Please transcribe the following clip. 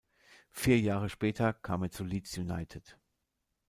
Vier Jahre später kam er zu Leeds United.